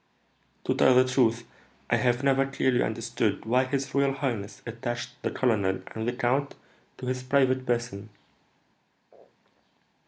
"To tell the truth, I have never clearly understood why his royal highness attached the colonel and the count to his private person."